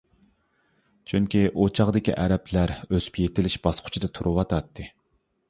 چۈنكى ئۇ چاغدىكى ئەرەبلەر ئۆسۈپ يېتىلىش باسقۇچىدا تۇرۇۋاتاتتى.